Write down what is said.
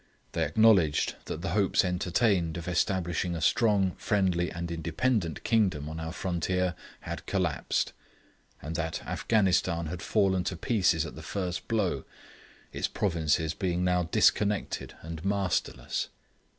They acknowledged that the hopes entertained of establishing a strong, friendly, and independent kingdom on our frontier had collapsed; and that Afghanistan had fallen to pieces at the first blow, its provinces being now disconnected and masterless.